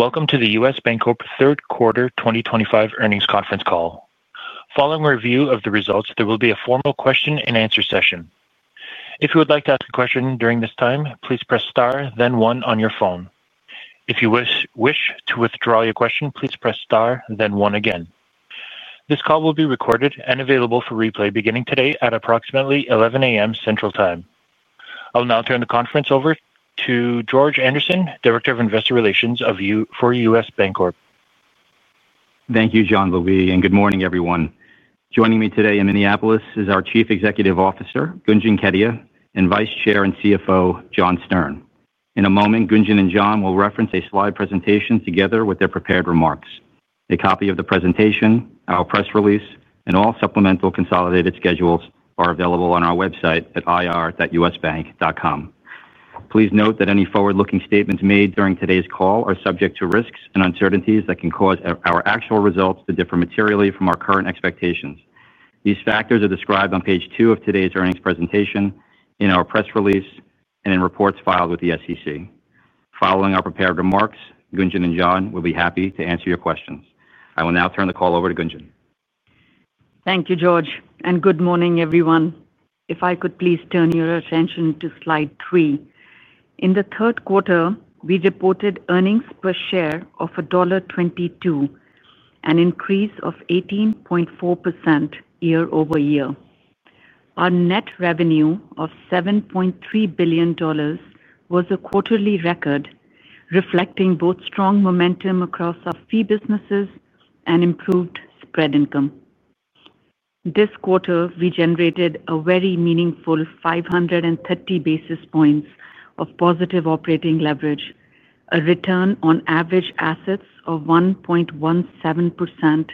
Welcome to the U.S. Bancorp Third Quarter 2025 Earnings Conference Call. Following a review of the results, there will be a formal question and answer session. If you would like to ask a question during this time, please press star, then one on your phone. If you wish to withdraw your question, please press star, then one again. This call will be recorded and available for replay beginning today at approximately 11:00 A.M. Central Time. I'll now turn the conference over to George Andersen, Director of Investor Relations for U.S. Bancorp. Thank you, Jean-Louis, and good morning, everyone. Joining me today in Minneapolis is our Chief Executive Officer, Gunjan Kedia, and Vice Chair and CFO, John Stern. In a moment, Gunjan and John will reference a slide presentation together with their prepared remarks. A copy of the presentation, our press release, and all supplemental consolidated schedules are available on our website at ir.usbank.com. Please note that any forward-looking statements made during today's call are subject to risks and uncertainties that can cause our actual results to differ materially from our current expectations. These factors are described on page two of today's earnings presentation, in our press release, and in reports filed with the SEC. Following our prepared remarks, Gunjan and John will be happy to answer your questions. I will now turn the call over to Gunjan. Thank you, George, and good morning, everyone. If I could please turn your attention to slide three. In the third quarter, we reported earnings per share of $1.22, an increase of 18.4% year-over-year. Our net revenue of $7.3 billion was a quarterly record, reflecting both strong momentum across our fee businesses and improved spread income. This quarter, we generated a very meaningful 530 basis points of positive operating leverage, a return on average assets of 1.17%,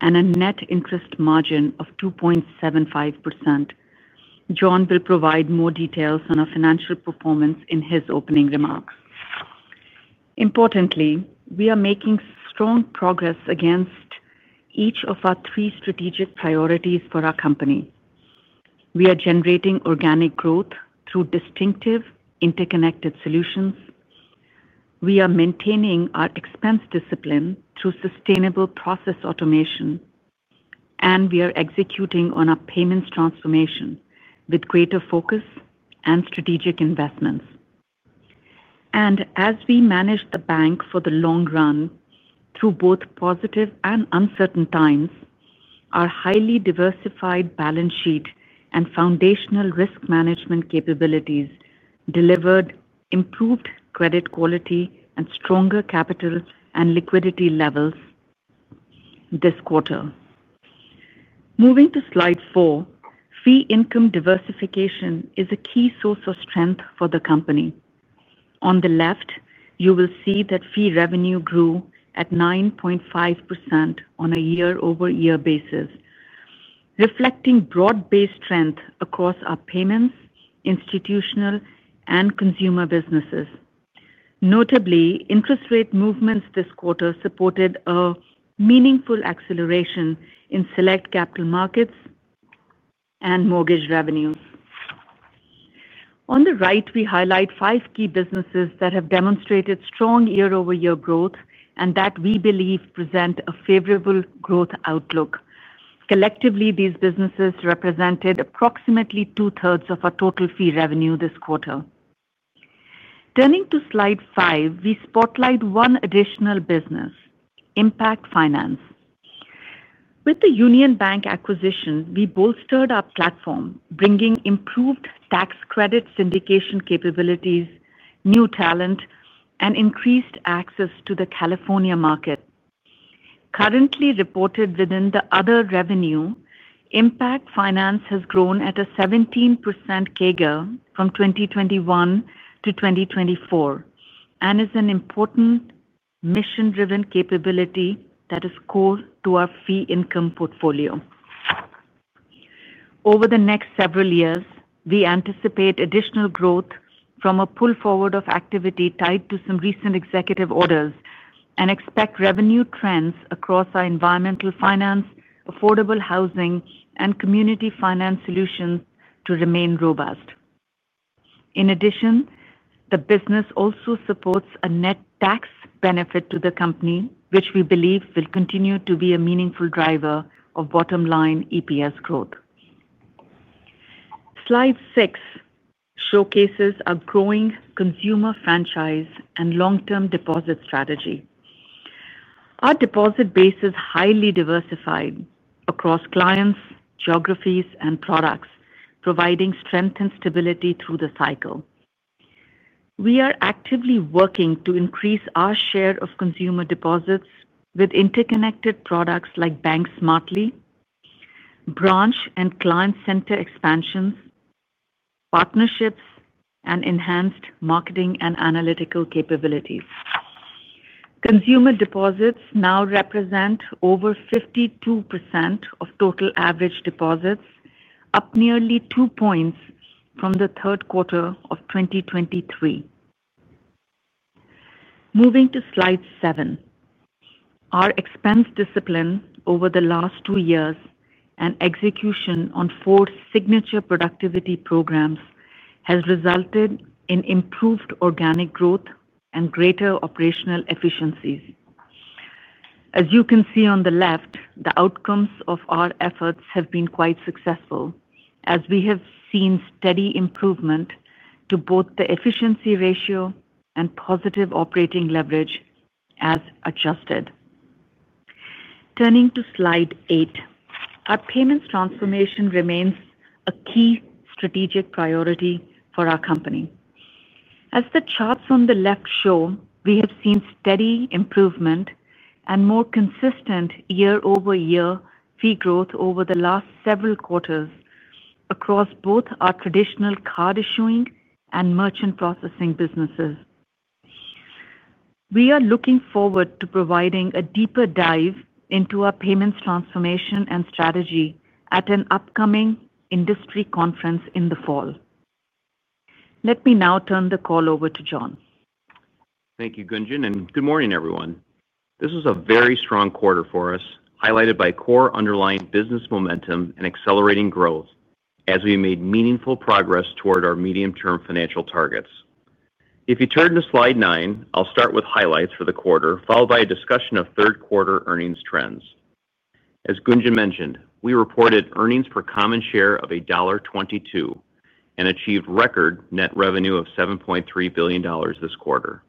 and a net interest margin of 2.75%. John will provide more details on our financial performance in his opening remarks. Importantly, we are making strong progress against each of our three strategic priorities for our company. We are generating organic growth through distinctive interconnected solutions. We are maintaining our expense discipline through sustainable process automation, and we are executing on our payments transformation with greater focus and strategic investments. As we manage the bank for the long run through both positive and uncertain times, our highly diversified balance sheet and foundational risk management capabilities delivered improved credit quality and stronger capital and liquidity levels this quarter. Moving to slide four, fee income diversification is a key source of strength for the company. On the left, you will see that fee revenue grew at 9.5% on a year-over-year basis, reflecting broad-based strength across our payments, institutional, and consumer businesses. Notably, interest rate movements this quarter supported a meaningful acceleration in select capital markets and mortgage revenues. On the right, we highlight five key businesses that have demonstrated strong year-over-year growth and that we believe present a favorable growth outlook. Collectively, these businesses represented approximately two-thirds of our total fee revenue this quarter. Turning to slide five, we spotlight one additional business, Impact Finance. With the Union Bank acquisition, we bolstered our platform, bringing improved tax credit syndication capabilities, new talent, and increased access to the California market. Currently reported within the other revenue, Impact Finance has grown at a 17% CAGR from 2021 to 2024 and is an important mission-driven capability that is core to our fee income portfolio. Over the next several years, we anticipate additional growth from a pull forward of activity tied to some recent executive orders and expect revenue trends across our environmental finance, affordable housing, and community finance solutions to remain robust. In addition, the business also supports a net tax benefit to the company, which we believe will continue to be a meaningful driver of bottom-line EPS growth. Slide six showcases our growing consumer franchise and long-term deposit strategy. Our deposit base is highly diversified across clients, geographies, and products, providing strength and stability through the cycle. We are actively working to increase our share of consumer deposits with interconnected products like Bank Smartly, branch and client center expansions, partnerships, and enhanced marketing and analytical capabilities. Consumer deposits now represent over 52% of total average deposits, up nearly two points from the third quarter of 2023. Moving to slide seven, our expense discipline over the last two years and execution on four signature productivity programs has resulted in improved organic growth and greater operational efficiencies. As you can see on the left, the outcomes of our efforts have been quite successful, as we have seen steady improvement to both the efficiency ratio and positive operating leverage as adjusted. Turning to slide eight, our payments transformation remains a key strategic priority for our company. As the charts on the left show, we have seen steady improvement and more consistent year-over-year fee growth over the last several quarters across both our traditional card issuing and merchant acquiring businesses. We are looking forward to providing a deeper dive into our payments transformation and strategy at an upcoming industry conference in the fall. Let me now turn the call over to John. Thank you, Gunjan, and good morning, everyone. This was a very strong quarter for us, highlighted by core underlying business momentum and accelerating growth as we made meaningful progress toward our medium-term financial targets. If you turn to slide nine, I'll start with highlights for the quarter, followed by a discussion of third quarter earnings trends. As Gunjan mentioned, we reported earnings per common share of $1.22 and achieved record net revenue of $7.3 billion this quarter.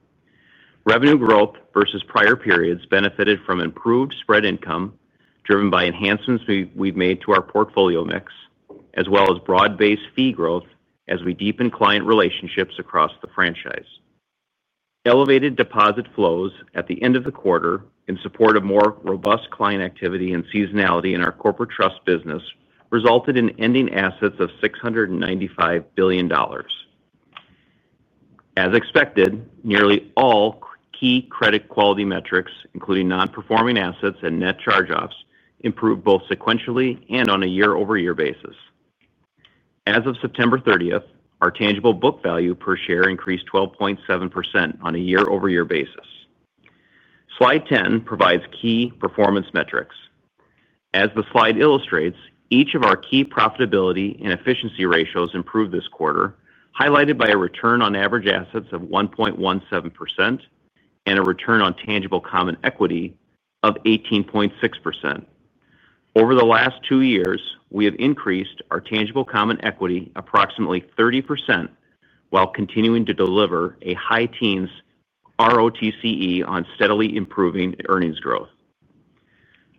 Revenue growth versus prior periods benefited from improved spread income, driven by enhancements we've made to our portfolio mix, as well as broad-based fee growth as we deepened client relationships across the franchise. Elevated deposit flows at the end of the quarter in support of more robust client activity and seasonality in our corporate trust business resulted in ending assets of $695 billion. As expected, nearly all key credit quality metrics, including non-performing assets and net charge-offs, improved both sequentially and on a year-over-year basis. As of September 30th, our tangible book value per share increased 12.7% on a year-over-year basis. Slide 10 provides key performance metrics. As the slide illustrates, each of our key profitability and efficiency ratios improved this quarter, highlighted by a return on average assets of 1.17% and a return on tangible common equity of 18.6%. Over the last two years, we have increased our tangible common equity approximately 30% while continuing to deliver a high-teens ROTCE on steadily improving earnings growth.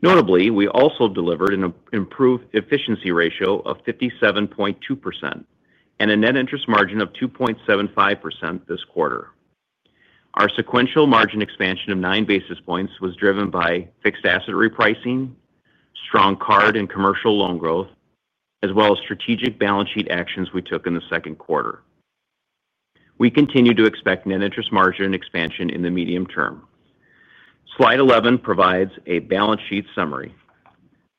Notably, we also delivered an improved efficiency ratio of 57.2% and a net interest margin of 2.75% this quarter. Our sequential margin expansion of nine basis points was driven by fixed asset repricing, strong card and commercial loan growth, as well as strategic balance sheet actions we took in the second quarter. We continue to expect net interest margin expansion in the medium term. Slide 11 provides a balance sheet summary.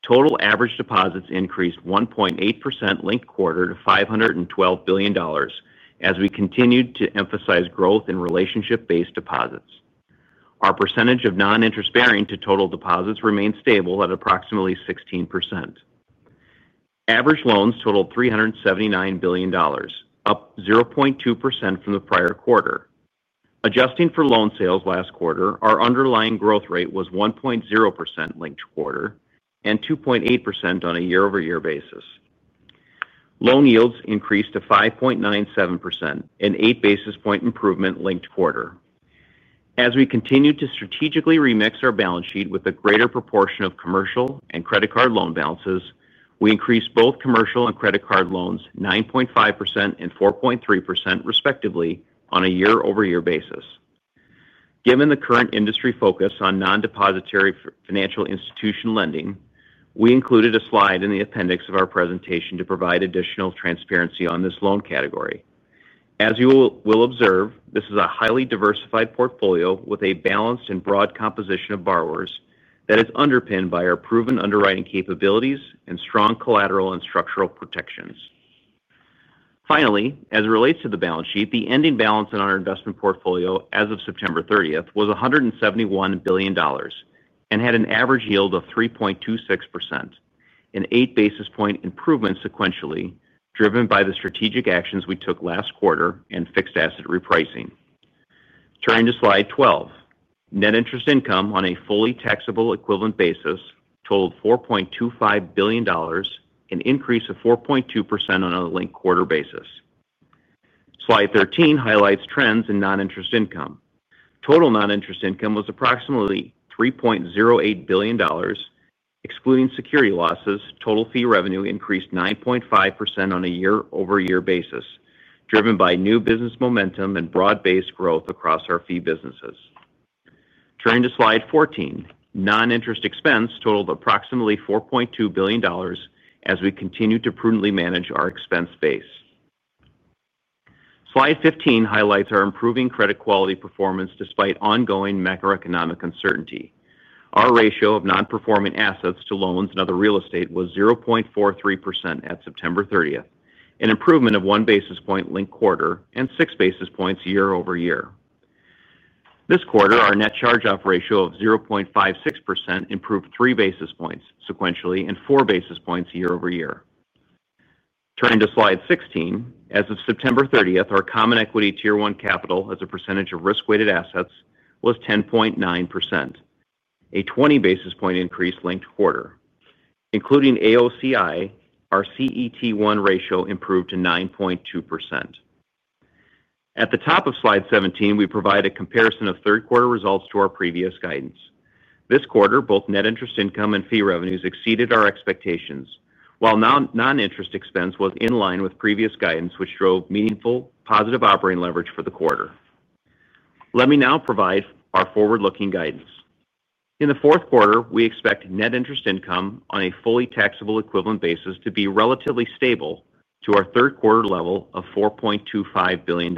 Total average deposits increased 1.8% linked quarter to $512 billion as we continued to emphasize growth in relationship-based deposits. Our percentage of non-interest bearing to total deposits remained stable at approximately 16%. Average loans totaled $379 billion, up 0.2% from the prior quarter. Adjusting for loan sales last quarter, our underlying growth rate was 1.0% linked quarter and 2.8% on a year-over-year basis. Loan yields increased to 5.97%, an eight basis point improvement linked quarter. As we continue to strategically remix our balance sheet with a greater proportion of commercial and credit card loan balances, we increased both commercial and credit card loans 9.5% and 4.3% respectively on a year-over-year basis. Given the current industry focus on non-depository financial institutional lending, we included a slide in the appendix of our presentation to provide additional transparency on this loan category. As you will observe, this is a highly diversified portfolio with a balanced and broad composition of borrowers that is underpinned by our proven underwriting capabilities and strong collateral and structural protections. Finally, as it relates to the balance sheet, the ending balance in our investment portfolio as of September 30th was $171 billion and had an average yield of 3.26%, an eight basis point improvement sequentially, driven by the strategic actions we took last quarter and fixed asset repricing. Turning to slide 12, net interest income on a fully taxable equivalent basis totaled $4.25 billion, an increase of 4.2% on a linked quarter basis. Slide 13 highlights trends in non-interest income. Total non-interest income was approximately $3.08 billion. Excluding security losses, total fee revenue increased 9.5% on a year-over-year basis, driven by new business momentum and broad-based growth across our fee businesses. Turning to slide 14, non-interest expense totaled approximately $4.2 billion as we continued to prudently manage our expense base. Slide 15 highlights our improving credit quality performance despite ongoing macroeconomic uncertainty. Our ratio of non-performing assets to loans and other real estate was 0.43% at September 30th, an improvement of one basis point linked quarter and six basis points year-over-year. This quarter, our net charge-off ratio of 0.56% improved three basis points sequentially and four basis points year-over-year. Turning to slide 16, as of September 30th, our common equity tier 1 capital as a percentage of risk-weighted assets was 10.9%, a 20 basis point increase linked quarter. Including AOCI, our CET1 ratio improved to 9.2%. At the top of slide 17, we provide a comparison of third quarter results to our previous guidance. This quarter, both net interest income and fee revenues exceeded our expectations, while non-interest expense was in line with previous guidance, which drove meaningful positive operating leverage for the quarter. Let me now provide our forward-looking guidance. In the fourth quarter, we expect net interest income on a fully taxable equivalent basis to be relatively stable to our third quarter level of $4.25 billion.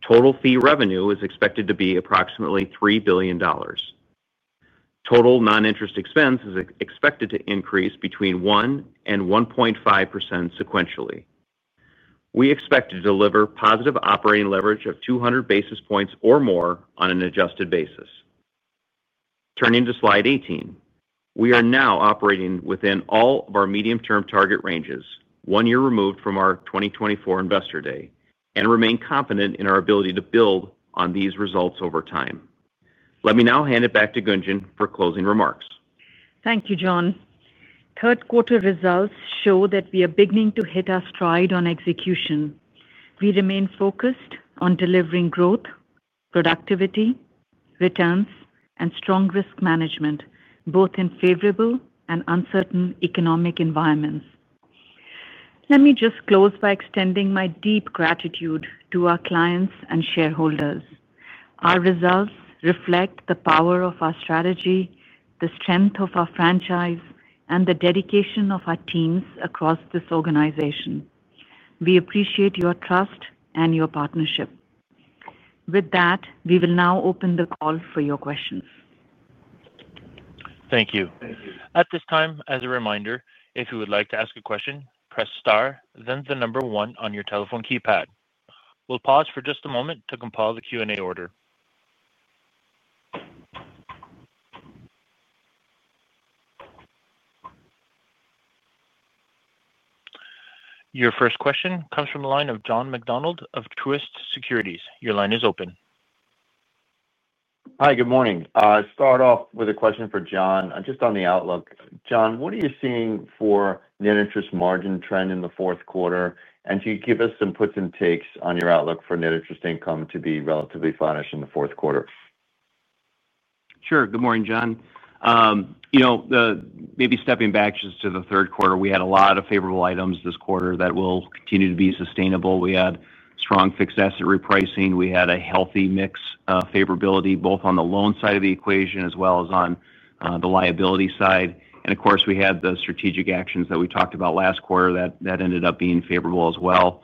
Total fee revenue is expected to be approximately $3 billion. Total non-interest expense is expected to increase between 1% and 1.5% sequentially. We expect to deliver positive operating leverage of 200 basis points or more on an adjusted basis. Turning to slide 18, we are now operating within all of our medium-term target ranges, one year removed from our 2024 Investor Day, and remain confident in our ability to build on these results over time. Let me now hand it back to Gunjan for closing remarks. Thank you, John. Third quarter results show that we are beginning to hit our stride on execution. We remain focused on delivering growth, productivity, returns, and strong risk management, both in favorable and uncertain economic environments. Let me just close by extending my deep gratitude to our clients and shareholders. Our results reflect the power of our strategy, the strength of our franchise, and the dedication of our teams across this organization. We appreciate your trust and your partnership. With that, we will now open the call for your questions. Thank you. Thank you. At this time, as a reminder, if you would like to ask a question, press star, then the number one on your telephone keypad. We'll pause for just a moment to compile the Q&A order. Your first question comes from the line of John McDonald of Truist Securities. Your line is open. Hi, good morning. I'll start off with a question for John, just on the outlook. John, what are you seeing for net interest margin trend in the fourth quarter? Can you give us some puts and takes on your outlook for net interest income to be relatively flattish in the fourth quarter? Sure. Good morning, John. Maybe stepping back just to the third quarter, we had a lot of favorable items this quarter that will continue to be sustainable. We had strong fixed asset repricing. We had a healthy mix of favorability, both on the loan side of the equation as well as on the liability side. Of course, we had the strategic actions that we talked about last quarter that ended up being favorable as well.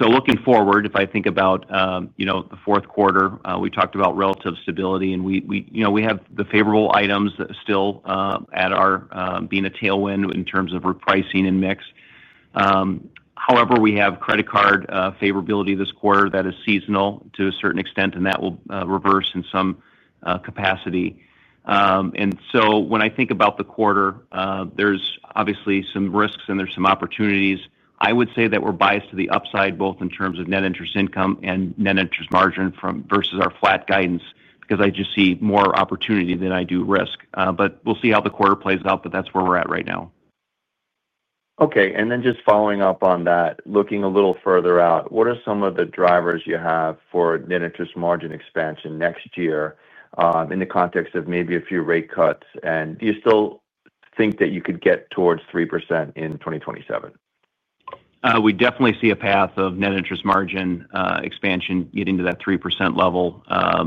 Looking forward, if I think about the fourth quarter, we talked about relative stability, and we have the favorable items still being a tailwind in terms of repricing and mix. However, we have credit card favorability this quarter that is seasonal to a certain extent, and that will reverse in some capacity. When I think about the quarter, there's obviously some risks and there's some opportunities. I would say that we're biased to the upside, both in terms of net interest income and net interest margin versus our flat guidance, because I just see more opportunity than I do risk. We'll see how the quarter plays out, but that's where we're at right now. Okay. Just following up on that, looking a little further out, what are some of the drivers you have for net interest margin expansion next year in the context of maybe a few rate cuts? Do you still think that you could get towards 3% in 2027? We definitely see a path of net interest margin expansion getting to that 3% level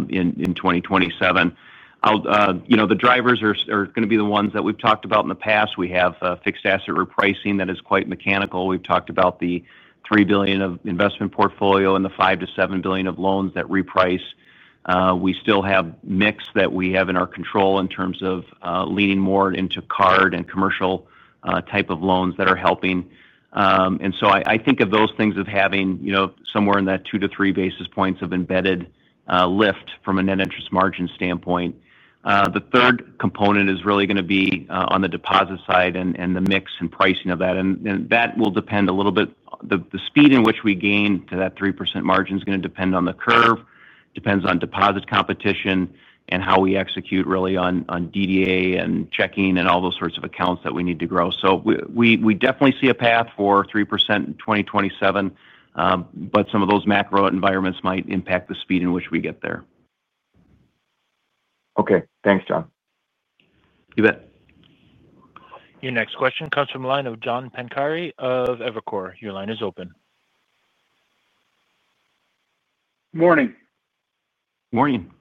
in 2027. The drivers are going to be the ones that we've talked about in the past. We have fixed asset repricing that is quite mechanical. We've talked about the $3 billion of investment portfolio and the $5 billion-$7 billion of loans that reprice. We still have mix that we have in our control in terms of leaning more into card and commercial type of loans that are helping. I think of those things as having somewhere in that two to three basis points of embedded lift from a net interest margin standpoint. The third component is really going to be on the deposit side and the mix and pricing of that. That will depend a little bit. The speed in which we gain to that 3% margin is going to depend on the curve, depends on deposit competition, and how we execute really on DDA and checking and all those sorts of accounts that we need to grow. We definitely see a path for 3% in 2027, but some of those macro environments might impact the speed in which we get there. Okay. Thanks, John. You bet. Your next question comes from the line of John Pancari of Evercore. Your line is open. Morning. Morning.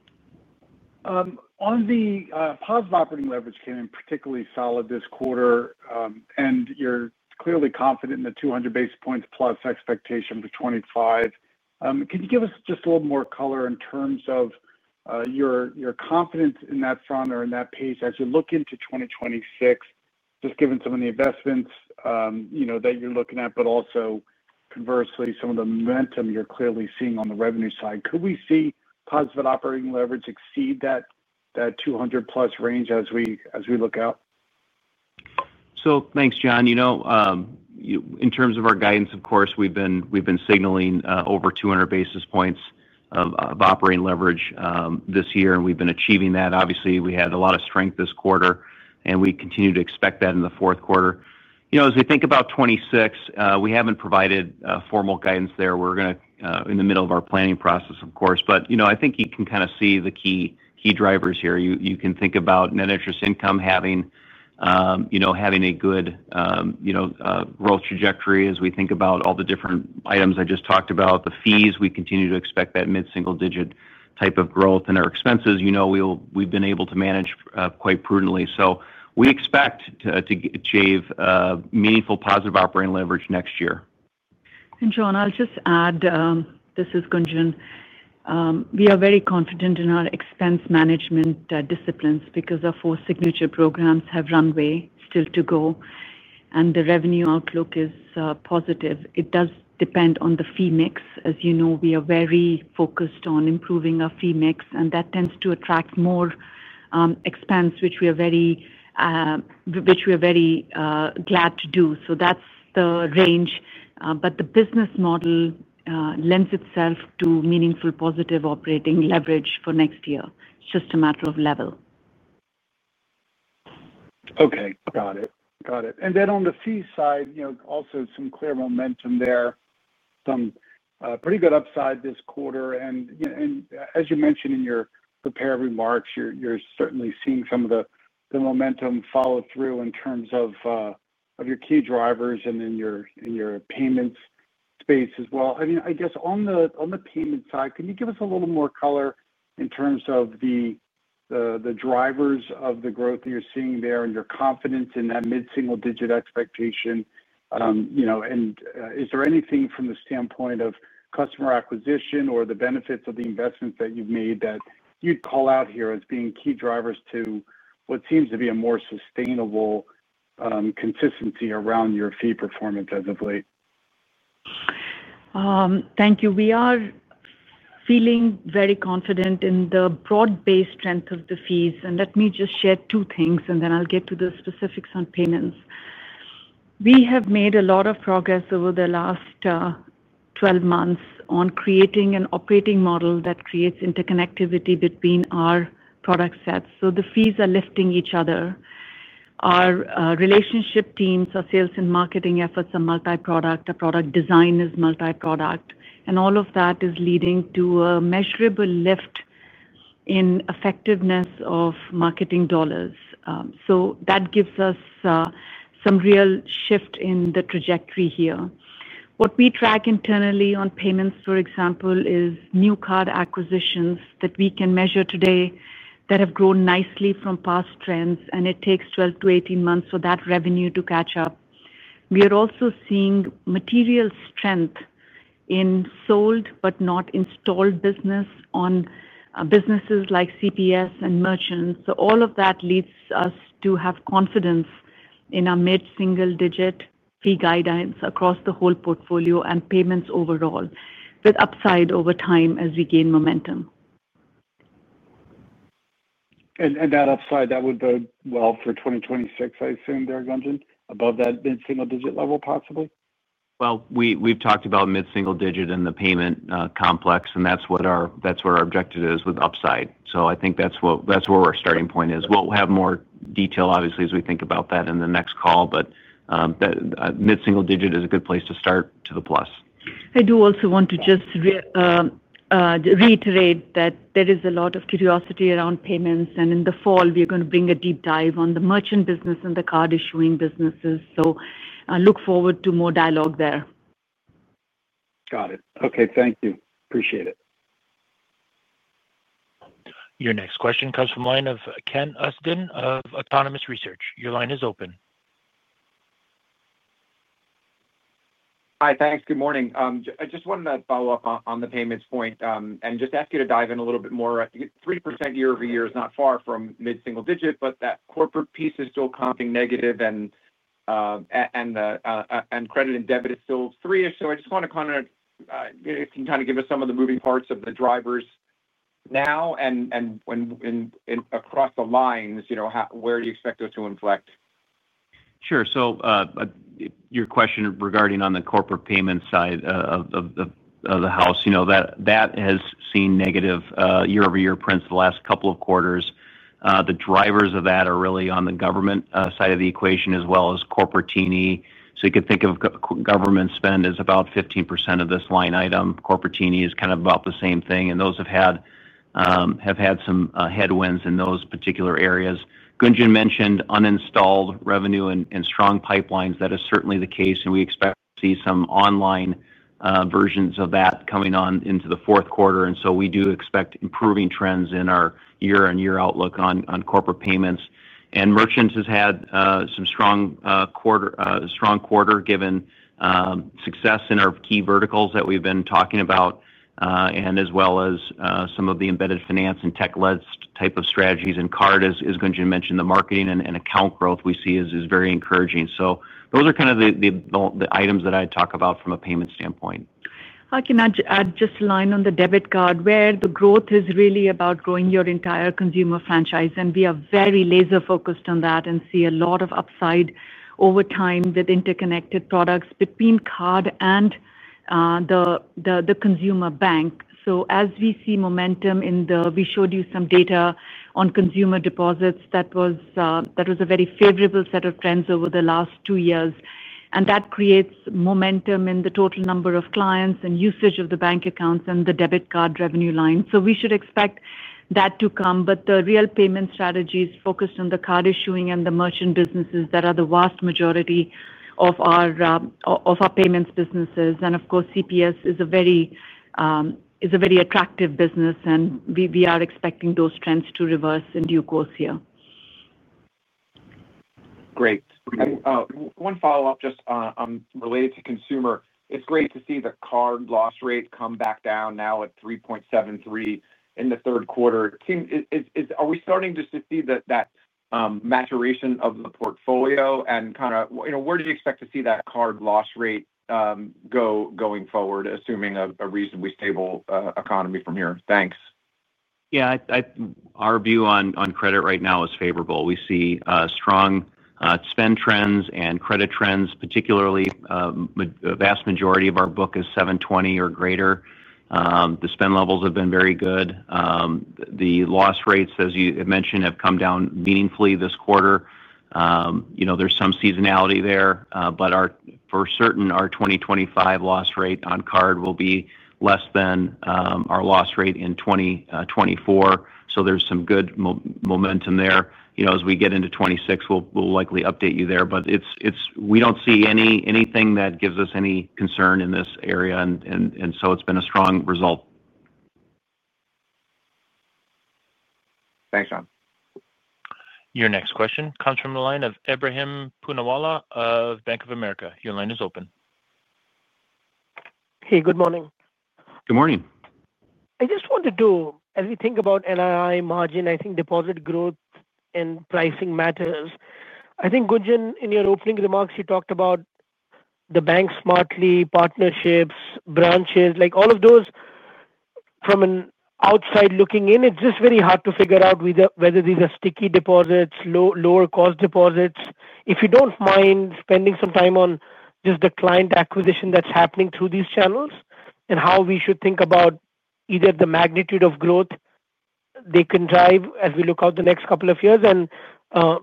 Morning, on the positive operating leverage, came in particularly solid this quarter, and you're clearly confident in the 200 basis points plus expectation for 2025. Can you give us just a little more color in terms of your confidence in that front or in that pace as you look into 2026, just given some of the investments that you're looking at, but also conversely some of the momentum you're clearly seeing on the revenue side? Could we see positive operating leverage exceed that 200-plus range as we look out? Thank you, John. In terms of our guidance, of course, we've been signaling over 200 basis points of operating leverage this year, and we've been achieving that. Obviously, we had a lot of strength this quarter, and we continue to expect that in the fourth quarter. As we think about 2026, we haven't provided formal guidance there. We're in the middle of our planning process, of course. I think you can kind of see the key drivers here. You can think about net interest income having a good growth trajectory as we think about all the different items I just talked about, the fees. We continue to expect that mid-single-digit type of growth, and our expenses, we've been able to manage quite prudently. We expect to achieve meaningful positive operating leverage next year. John, I'll just add, this is Gunjan. We are very confident in our expense management disciplines because our four signature programs have runway still to go, and the revenue outlook is positive. It does depend on the fee mix. As you know, we are very focused on improving our fee mix, and that tends to attract more expense, which we are very glad to do. That's the range. The business model lends itself to meaningful positive operating leverage for next year. It's just a matter of level. Okay. Got it. Got it. On the fee side, you know, also some clear momentum there, some pretty good upside this quarter. As you mentioned in your prepared remarks, you're certainly seeing some of the momentum follow through in terms of your key drivers and then your payments space as well. I mean, I guess on the payment side, can you give us a little more color in terms of the drivers of the growth that you're seeing there and your confidence in that mid-single-digit expectation? Is there anything from the standpoint of customer acquisition or the benefits of the investments that you've made that you'd call out here as being key drivers to what seems to be a more sustainable consistency around your fee performance as of late? Thank you. We are feeling very confident in the broad-based strength of the fees. Let me just share two things, then I'll get to the specifics on payments. We have made a lot of progress over the last 12 months on creating an operating model that creates interconnectivity between our product sets. The fees are lifting each other. Our relationship teams, our sales and marketing efforts are multi-product. Our product design is multi-product, and all of that is leading to a measurable lift in effectiveness of marketing dollars. That gives us some real shift in the trajectory here. What we track internally on payments, for example, is new card acquisitions that we can measure today that have grown nicely from past trends, and it takes 12-18 months for that revenue to catch up. We are also seeing material strength in sold but not installed business on businesses like CPS and merchants. All of that leads us to have confidence in our mid-single-digit fee guidelines across the whole portfolio and payments overall, with upside over time as we gain momentum. That upside would bode well for 2026, I assume there, Gunjan? Above that mid-single-digit level, possibly? We've talked about mid-single-digit in the payment complex, and that's what our objective is with upside. I think that's where our starting point is. We'll have more detail, obviously, as we think about that in the next call, but that mid-single-digit is a good place to start to the plus. I do also want to just reiterate that there is a lot of curiosity around payments, and in the fall, we are going to bring a deep dive on the merchant acquiring business and the card issuing businesses. I look forward to more dialogue there. Got it. Okay, thank you. Appreciate it. Your next question comes from the line of Kenneth Usdin of Autonomous Research. Your line is open. Hi, thanks. Good morning. I just wanted to follow up on the payments point and ask you to dive in a little bit more. I think 3% year-over-year is not far from mid-single-digit, but that corporate piece is still counting negative, and credit and debit is still three-ish. I just want to, you know, give us some of the moving parts of the drivers now and when across the lines, where do you expect those to inflect? Sure. Your question regarding the corporate payments side of the house, that has seen negative year-over-year prints the last couple of quarters. The drivers of that are really on the government side of the equation as well as corporate T&E. You could think of government spend as about 15% of this line item. Corporate T&E is kind of about the same thing, and those have had some headwinds in those particular areas. Gunjan mentioned uninstalled revenue and strong pipelines. That is certainly the case, and we expect to see some online versions of that coming on into the fourth quarter. We do expect improving trends in our year-on-year outlook on corporate payments. Merchants have had some strong quarter given success in our key verticals that we've been talking about, as well as some of the embedded finance and tech-led type of strategies in card. As Gunjan mentioned, the marketing and account growth we see is very encouraging. Those are kind of the items that I talk about from a payment standpoint. I can add just a line on the debit card, where the growth is really about growing your entire consumer franchise. We are very laser-focused on that and see a lot of upside over time with interconnected products between card and the consumer bank. As we see momentum in the, we showed you some data on consumer deposits. That was a very favorable set of trends over the last two years. That creates momentum in the total number of clients and usage of the bank accounts and the debit card revenue line. We should expect that to come. The real payment strategies focused on the card issuing and the merchant businesses that are the vast majority of our payments businesses. Of course, CPS is a very attractive business, and we are expecting those trends to reverse in due course here. Great. One follow-up just related to consumer. It's great to see the card loss rate come back down now at 3.73% in the third quarter. Are we starting to see that maturation of the portfolio? Where do you expect to see that card loss rate go going forward, assuming a reasonably stable economy from here? Thanks. Yeah, our view on credit right now is favorable. We see strong spend trends and credit trends, particularly the vast majority of our book is 720 or greater. The spend levels have been very good. The loss rates, as you mentioned, have come down meaningfully this quarter. There is some seasonality there, but for certain, our 2025 loss rate on card will be less than our loss rate in 2024. There is some good momentum there. As we get into 2026, we'll likely update you there. We don't see anything that gives us any concern in this area, and it has been a strong result. Thanks, John. Your next question comes from the line of Ebrahim Poonawala of Bank of America. Your line is open. Hey, good morning. Good morning. I just wanted to do, as we think about NII margin, I think deposit growth and pricing matters. I think, Gunjan, in your opening remarks, you talked about the Bank Smartly partnerships, branches, like all of those from an outside looking in. It's just very hard to figure out whether these are sticky deposits, lower-cost deposits. If you don't mind spending some time on just the client acquisition that's happening through these channels and how we should think about either the magnitude of growth they can drive as we look out the next couple of years and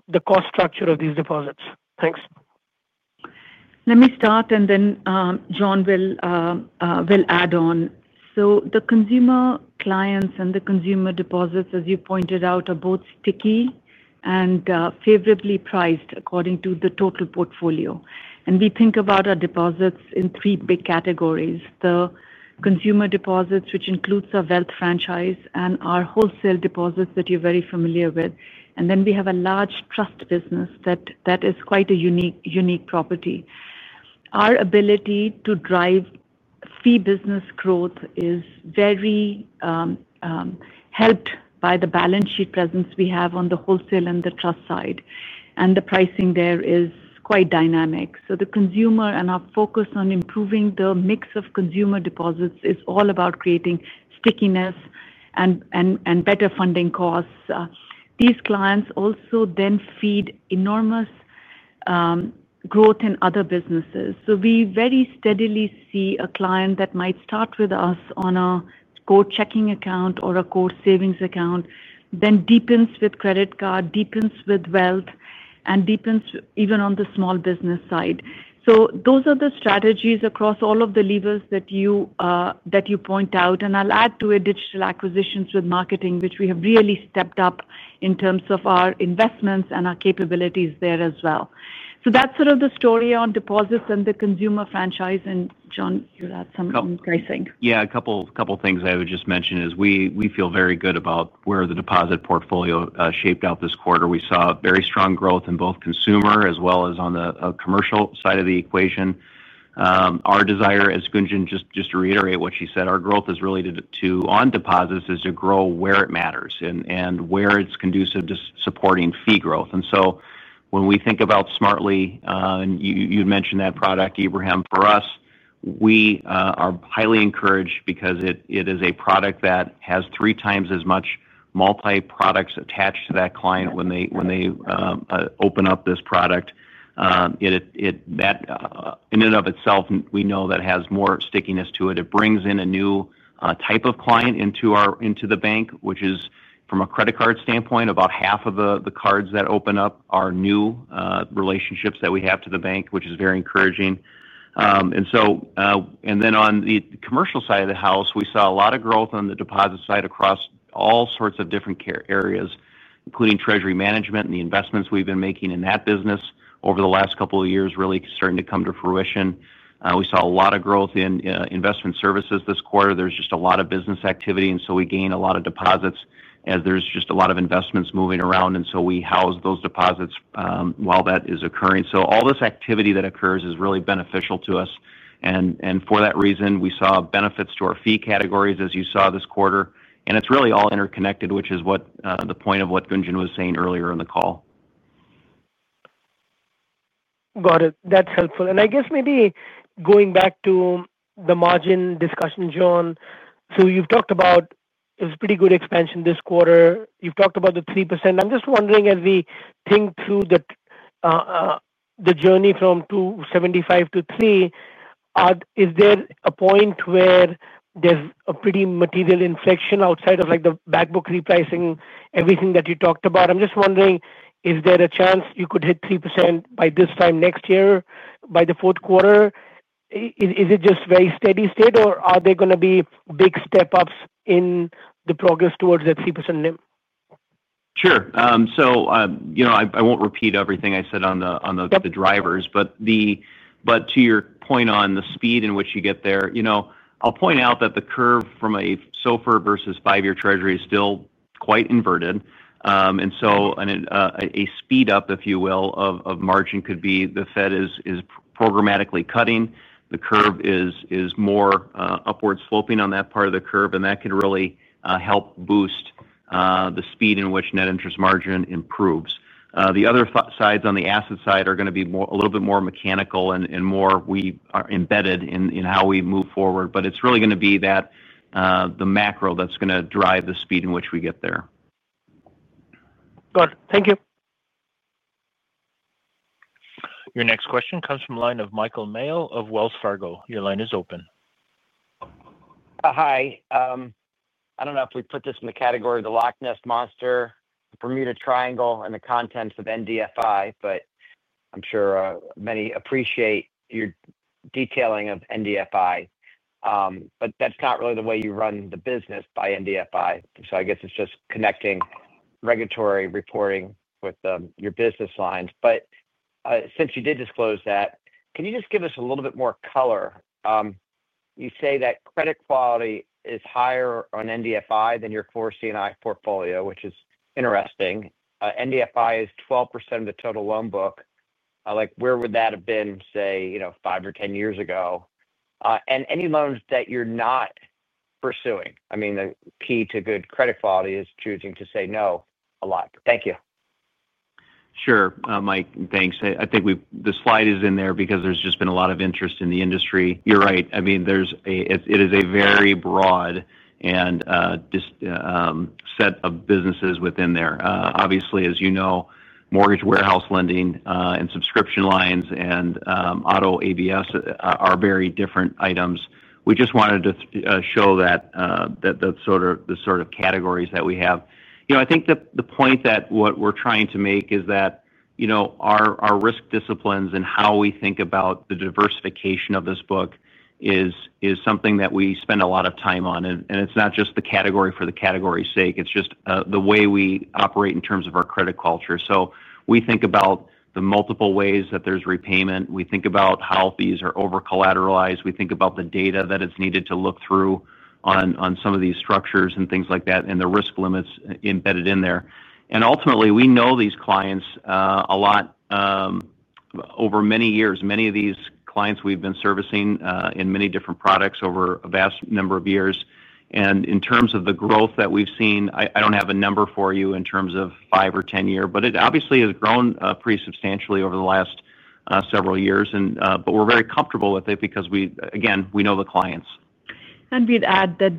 the cost structure of these deposits. Thanks. Let me start, and then John will add on. The consumer clients and the consumer deposits, as you pointed out, are both sticky and favorably priced according to the total portfolio. We think about our deposits in three big categories: the consumer deposits, which includes our wealth franchise, and our wholesale deposits that you're very familiar with. We have a large trust business that is quite a unique property. Our ability to drive fee business growth is very helped by the balance sheet presence we have on the wholesale and the trust side. The pricing there is quite dynamic. The consumer and our focus on improving the mix of consumer deposits is all about creating stickiness and better funding costs. These clients also then feed enormous growth in other businesses. We very steadily see a client that might start with us on a core checking account or a core savings account, then deepens with credit card, deepens with wealth, and deepens even on the small business side. Those are the strategies across all of the levers that you point out. I'll add to it digital acquisitions with marketing, which we have really stepped up in terms of our investments and our capabilities there as well. That is sort of the story on deposits and the consumer franchise. John, you'll add something on pricing. Yeah, a couple of things I would just mention is we feel very good about where the deposit portfolio shaped out this quarter. We saw very strong growth in both consumer as well as on the commercial side of the equation. Our desire, as Gunjan just reiterated what she said, our growth is really to on deposits is to grow where it matters and where it's conducive to supporting fee growth. When we think about Bank Smartly, and you mentioned that product, Ebrahim, for us, we are highly encouraged because it is a product that has three times as much multi-products attached to that client when they open up this product. In and of itself, we know that it has more stickiness to it. It brings in a new type of client into the bank, which is from a credit card standpoint, about half of the cards that open up are new relationships that we have to the bank, which is very encouraging. On the commercial side of the house, we saw a lot of growth on the deposit side across all sorts of different areas, including treasury management, and the investments we've been making in that business over the last couple of years really starting to come to fruition. We saw a lot of growth in investment services this quarter. There's just a lot of business activity. We gain a lot of deposits as there's just a lot of investments moving around. We house those deposits while that is occurring. All this activity that occurs is really beneficial to us. For that reason, we saw benefits to our fee categories, as you saw this quarter. It's really all interconnected, which is the point of what Gunjan was saying earlier in the call. Got it. That's helpful. I guess maybe going back to the margin discussion, John, you've talked about it was a pretty good expansion this quarter. You've talked about the 3%. I'm just wondering, as we think through the journey from 2.75% to 3%, is there a point where there's a pretty material inflection outside of the backbook repricing, everything that you talked about? I'm just wondering, is there a chance you could hit 3% by this time next year, by the fourth quarter? Is it just a very steady state, or are there going to be big step-ups in the progress towards that 3%? Sure. I won't repeat everything I said on the drivers. To your point on the speed in which you get there, I'll point out that the curve from a SOFR versus five-year treasury is still quite inverted. A speed-up, if you will, of margin could be the Fed is programmatically cutting. The curve is more upward sloping on that part of the curve, and that could really help boost the speed in which net interest margin improves. The other sides on the asset side are going to be a little bit more mechanical and more embedded in how we move forward. It's really going to be the macro that's going to drive the speed in which we get there. Got it. Thank you. Your next question comes from the line of Michael Mayo of Wells Fargo. Your line is open. Hi. I don't know if we put this in the category of the Loch Ness Monster, Bermuda Triangle, and the contents of NDFI, but I'm sure many appreciate your detailing of NDFI. That's not really the way you run the business by NDFI. I guess it's just connecting regulatory reporting with your business lines. Since you did disclose that, can you just give us a little bit more color? You say that credit quality is higher on NDFI than your core C&I portfolio, which is interesting. NDFI is 12% of the total loan book. Where would that have been, say, you know, 5 or 10 years ago? Any loans that you're not pursuing? The key to good credit quality is choosing to say no a lot. Thank you. Sure, Mike. Thanks. I think the slide is in there because there's just been a lot of interest in the industry. You're right. I mean, it is a very broad set of businesses within there. Obviously, as you know, mortgage warehouse lending and subscription lines and auto ABS are very different items. We just wanted to show the sort of categories that we have. I think the point that we're trying to make is that our risk disciplines and how we think about the diversification of this book is something that we spend a lot of time on. It's not just the category for the category's sake. It's just the way we operate in terms of our credit culture. We think about the multiple ways that there's repayment. We think about how fees are over-collateralized. We think about the data that is needed to look through on some of these structures and things like that and the risk limits embedded in there. Ultimately, we know these clients a lot over many years. Many of these clients we've been servicing in many different products over a vast number of years. In terms of the growth that we've seen, I don't have a number for you in terms of 5 or 10 years, but it obviously has grown pretty substantially over the last several years. We're very comfortable with it because we, again, we know the clients.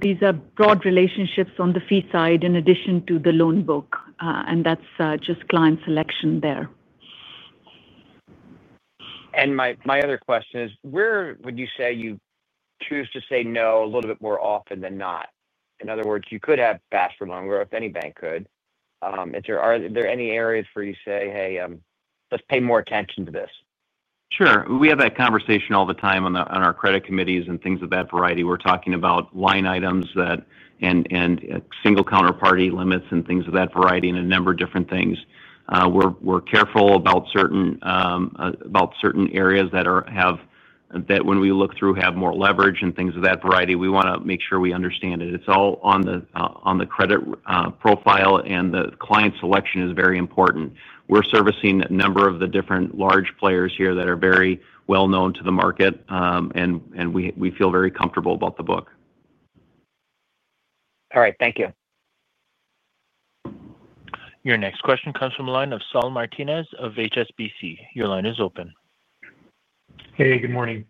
These are broad relationships on the fee side in addition to the loan book. That's just client selection there. Where would you say you choose to say no a little bit more often than not? In other words, you could have faster loan growth. Any bank could. Is there any areas where you say, "Hey, let's pay more attention to this"? Sure. We have that conversation all the time on our credit committees and things of that variety. We're talking about line items and single counterparty limits and things of that variety, and a number of different things. We're careful about certain areas that, when we look through, have more leverage and things of that variety. We want to make sure we understand it. It's all on the credit profile, and the client selection is very important. We're servicing a number of the different large players here that are very well known to the market, and we feel very comfortable about the book. All right. Thank you. Your next question comes from the line of Saul Martinez of HSBC. Your line is open. Hey, good morning.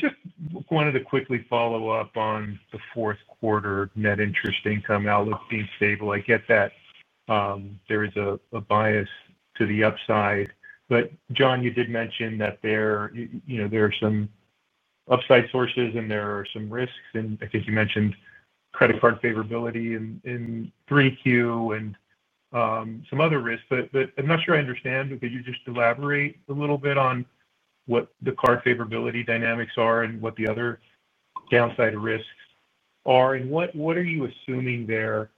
Just wanted to quickly follow up on the fourth quarter net interest income outlook being stable. I get that there is a bias to the upside. John, you did mention that there are some upside sources and there are some risks. I think you mentioned credit card favorability in 3Q and some other risks. I'm not sure I understand. Could you just elaborate a little bit on what the card favorability dynamics are and what the other downside risks are? What are you assuming there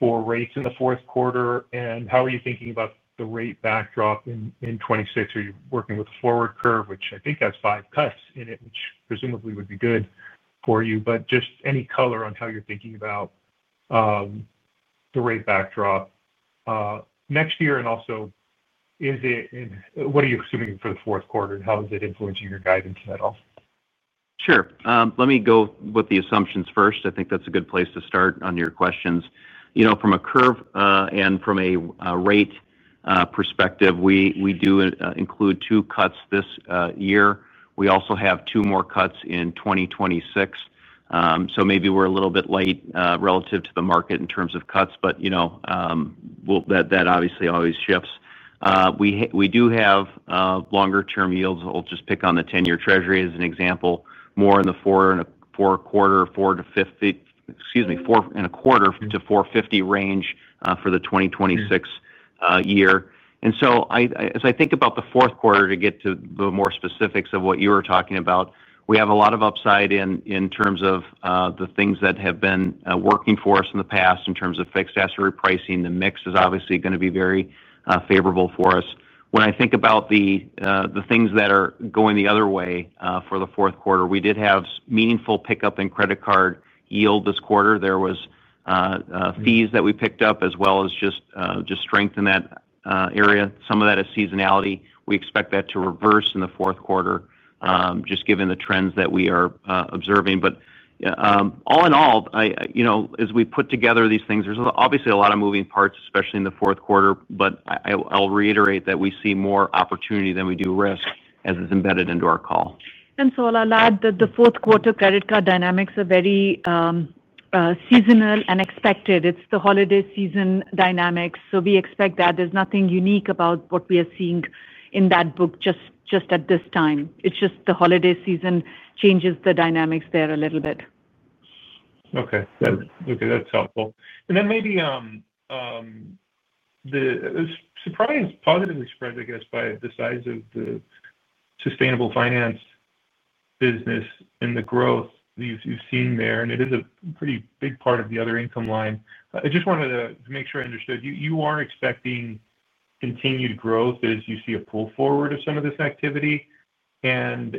for rates in the fourth quarter? How are you thinking about the rate backdrop in 2026? Are you working with a forward curve, which I think has five cuts in it, which presumably would be good for you? Any color on how you're thinking about the rate backdrop next year would be helpful. Also, what are you assuming for the fourth quarter and how is it influencing your guidance at all? Sure. Let me go with the assumptions first. I think that's a good place to start on your questions. You know, from a curve and from a rate perspective, we do include two cuts this year. We also have two more cuts in 2026. Maybe we're a little bit late relative to the market in terms of cuts, but you know that obviously always shifts. We do have longer-term yields. I'll just pick on the 10-year Treasury as an example, more in the 4.25%, 4%-4.50%, excuse me, 4.25%-4.50% range for the 2026 year. As I think about the fourth quarter to get to the more specifics of what you were talking about, we have a lot of upside in terms of the things that have been working for us in the past in terms of fixed asset repricing. The mix is obviously going to be very favorable for us. When I think about the things that are going the other way for the fourth quarter, we did have meaningful pickup in credit card yield this quarter. There were fees that we picked up as well as just strength in that area. Some of that is seasonality. We expect that to reverse in the fourth quarter, just given the trends that we are observing. All in all, as we put together these things, there's obviously a lot of moving parts, especially in the fourth quarter. I'll reiterate that we see more opportunity than we do risk, as it's embedded into our call. I'll add that the fourth quarter credit card dynamics are very seasonal and expected. It's the holiday season dynamics. We expect that. There's nothing unique about what we are seeing in that book at this time. It's just the holiday season changes the dynamics there a little bit. Okay, that's helpful. Maybe the positive is spread, I guess, by the size of the sustainable finance business and the growth you've seen there. It is a pretty big part of the other income line. I just wanted to make sure I understood. You are expecting continued growth as you see a pull forward of some of this activity from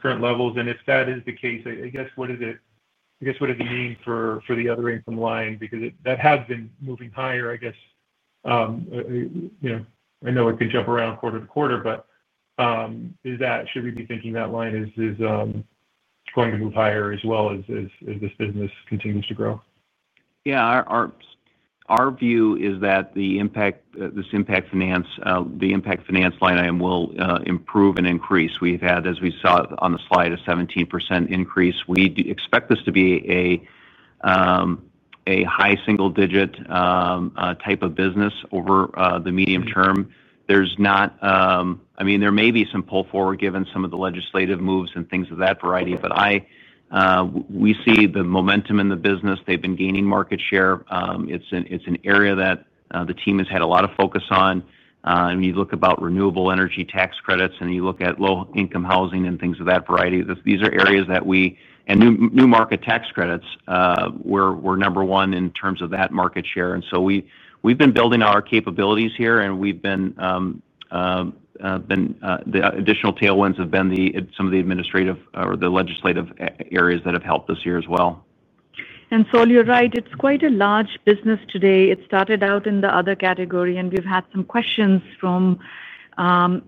current levels. If that is the case, what does it mean for the other income line? That has been moving higher, I guess. I know it can jump around quarter to quarter, but should we be thinking that line is going to move higher as well as this business continues to grow? Yeah, our view is that this Impact Finance line will improve and increase. We've had, as we saw on the slide, a 17% increase. We expect this to be a high single-digit type of business over the medium term. There may be some pull forward given some of the legislative moves and things of that variety, but we see the momentum in the business. They've been gaining market share. It's an area that the team has had a lot of focus on. You look at renewable energy tax credits, and you look at low-income housing and things of that variety. These are areas that we, and new market tax credits, we're number one in terms of that market share. We've been building our capabilities here, and the additional tailwinds have been some of the administrative or the legislative areas that have helped us here as well. Saul, you're right. It's quite a large business today. It started out in the other category, and we've had some questions from all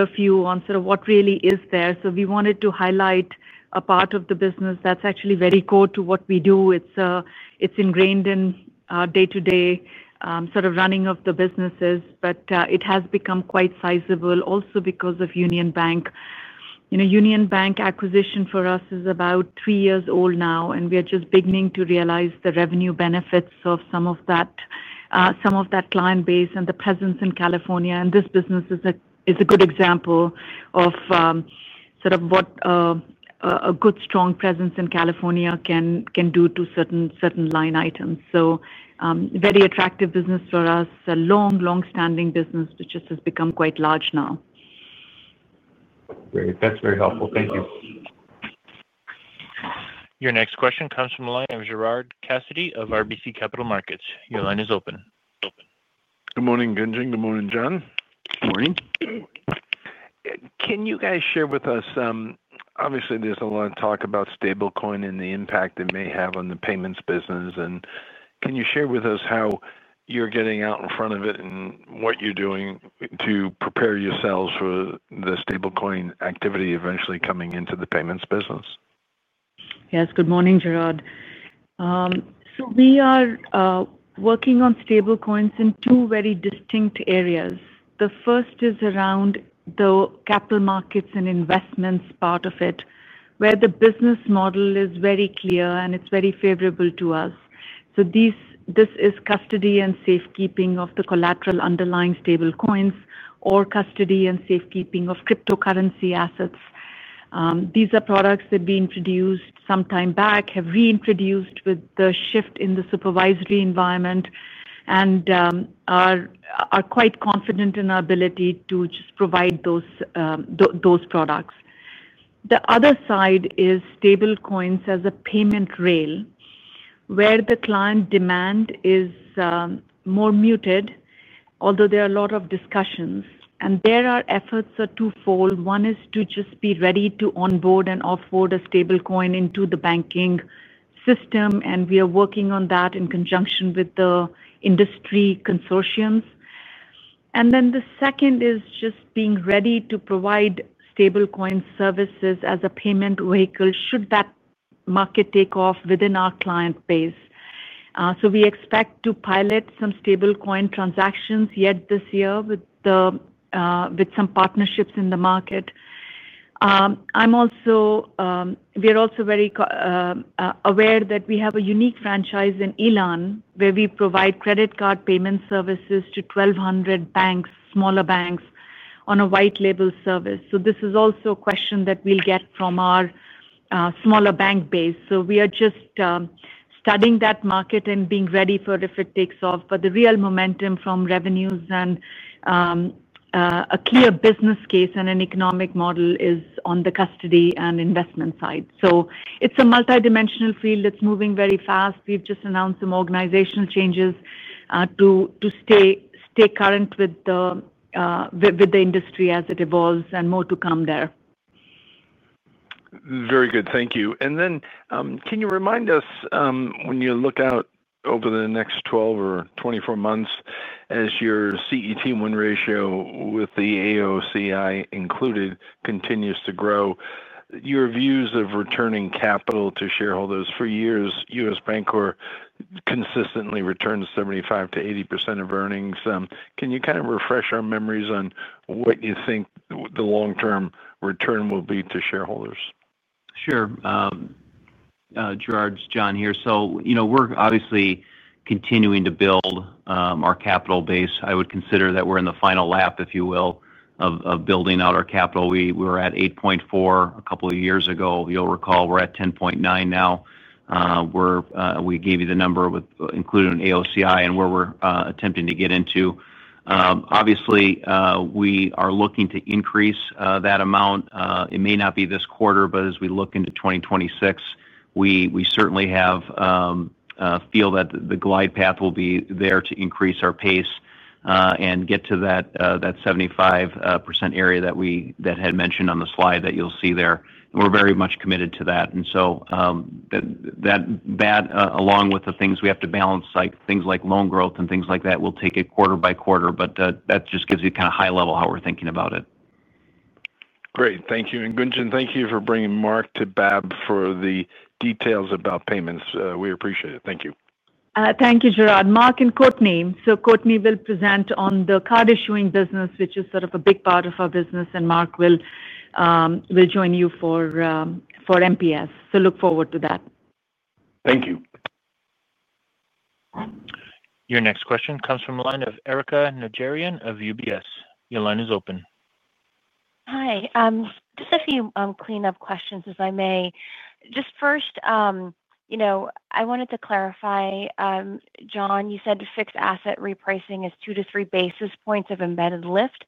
of you on sort of what really is there. We wanted to highlight a part of the business that's actually very core to what we do. It's ingrained in day-to-day sort of running of the businesses, but it has become quite sizable also because of Union Bank. The Union Bank acquisition for us is about three years old now, and we are just beginning to realize the revenue benefits of some of that client base and the presence in California. This business is a good example of sort of what a good, strong presence in California can do to certain line items. It's a very attractive business for us, a long, long-standing business, which just has become quite large now. Great. That's very helpful. Thank you. Your next question comes from the line of Gerard Cassidy of RBC Capital Markets. Your line is open. Good morning, Gunjan. Good morning, John. Morning. Can you guys share with us, obviously, there's a lot of talk about stablecoins and the impact it may have on the payments business. Can you share with us how you're getting out in front of it and what you're doing to prepare yourselves for the stablecoin activity eventually coming into the payments business? Yes. Good morning, Gerard. We are working on stablecoins in two very distinct areas. The first is around the capital markets and investments part of it, where the business model is very clear and it's very favorable to us. This is custody and safekeeping of the collateral underlying stablecoins or custody and safekeeping of cryptocurrency assets. These are products that have been produced some time back, have reintroduced with the shift in the supervisory environment, and are quite confident in our ability to just provide those products. The other side is stablecoins as a payment rail where the client demand is more muted, although there are a lot of discussions. There are efforts twofold. One is to just be ready to onboard and offboard a stablecoin into the banking system, and we are working on that in conjunction with the industry consortiums. The second is just being ready to provide stablecoin services as a payment vehicle should that market take off within our client base. We expect to pilot some stablecoin transactions yet this year with some partnerships in the market. We are also very aware that we have a unique franchise in Elan where we provide credit card payment services to 1,200 smaller banks on a white-label service. This is also a question that we'll get from our smaller bank base. We are just studying that market and being ready for if it takes off. The real momentum from revenues and a clear business case and an economic model is on the custody and investment side. It is a multidimensional field that's moving very fast. We've just announced some organizational changes to stay current with the industry as it evolves and more to come there. Very good. Thank you. Can you remind us when you look out over the next 12 or 24 months as your common equity tier 1 capital ratio with the AOCI included continues to grow, your views of returning capital to shareholders? For years, U.S. Bancorp consistently returned 75%-80% of earnings. Can you kind of refresh our memories on what you think the long-term return will be to shareholders? Sure. Gerard, it's John here. We're obviously continuing to build our capital base. I would consider that we're in the final lap, if you will, of building out our capital. We were at 8.4% a couple of years ago. You'll recall we're at 10.9% now. We gave you the number with included in AOCI and where we're attempting to get into. Obviously, we are looking to increase that amount. It may not be this quarter, but as we look into 2026, we certainly have a feel that the glide path will be there to increase our pace and get to that 75% area that we had mentioned on the slide that you'll see there. We're very much committed to that. That, along with the things we have to balance, like things like loan growth and things like that, will take it quarter by quarter. That just gives you kind of high-level how we're thinking about it. Great. Thank you. Gunjan, thank you for bringing Mark Tobias for the details about payments. We appreciate it. Thank you. Thank you, Gerard. Mark and Courtney. Courtney will present on the card issuing business, which is sort of a big part of our business. Mark will join you for MPS. Look forward to that. Thank you. Your next question comes from the line of Erika Najarian of UBS. Your line is open. Hi. Just a few clean-up questions, if I may. First, I wanted to clarify, John, you said fixed asset repricing is two to three basis points of embedded lift.